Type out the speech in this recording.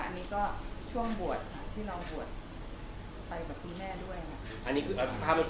อันนี้ก็ช่วงบวชค่ะที่เราบวชไปกับคุณแม่ด้วยค่ะ